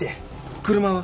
車は？